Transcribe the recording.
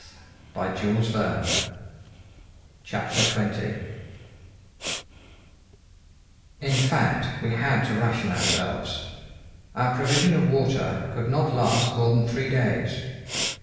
THE FIRST SIGNS OF DISTRESS In fact, we had to ration ourselves. Our provision of water could not last more than three days.